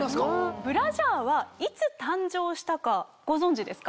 ブラジャーはいつ誕生したかご存じですか？